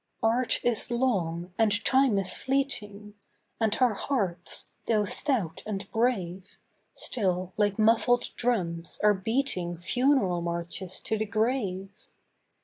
Art is long, and Time is fleeting, And our hearts, though stout and brave, Still, like muffled drums, are beating Funeral marches to the grave.